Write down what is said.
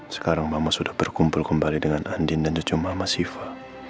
sekarang mama sudah berkumpul kembali dengan andi dan cucu mama siva